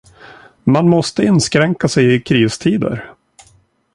Man måste inskränka sig i kristider!